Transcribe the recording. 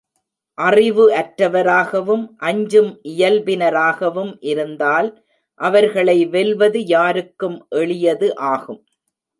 அறிவு அற்றவராகவும், அஞ்சும் இயல்பினராகவும் இருந்தால் அவர்களை வெல்வது யார்க்கும் எளியது ஆகும்.